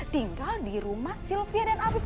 tinggal di rumah sylvia dan abib